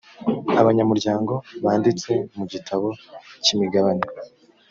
abanyamuryango banditse mu gitabo cy’imigabane